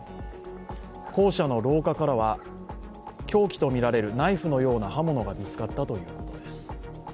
校舎の廊下からは凶器とみられるナイフのような刃物が見つかったということです。